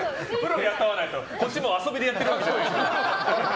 こっちも遊びでやってるわけじゃないから。